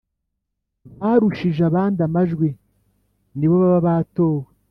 barushije abandi amajwi nibo baba batowe